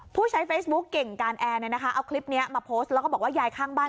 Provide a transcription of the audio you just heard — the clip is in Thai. ผู้ใช้เฟซบุ๊คเก่งการแอร์เนี่ยนะคะเอาคลิปนี้มาโพสต์แล้วก็บอกว่ายายข้างบ้าน